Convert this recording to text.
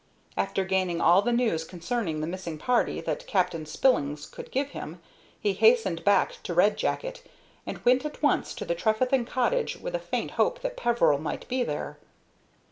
After gaining all the news concerning the missing party that Captain Spillins could give him, he hastened back to Red Jacket, and went at once to the Trefethen cottage with a faint hope that Peveril might be there.